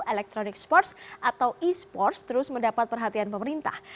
electronic sports atau esports terus mendapat perhatian pemerintah